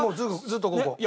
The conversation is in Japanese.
ずっとここ。